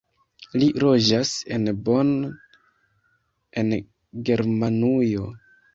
Li loĝas en Bonn en Germanujo.